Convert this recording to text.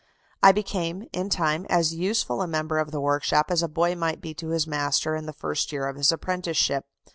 I became, in time, as useful a member of the workshop as a boy might be to his master in the first year of his apprenticeship....